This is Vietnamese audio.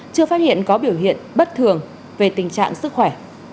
chưa phát hiện có biểu hiện bất thường về tình trạng sức khỏe